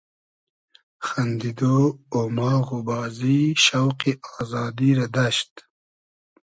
خئندیدۉ , اوماغ و بازی , شۆقی آزادی رۂ دئشت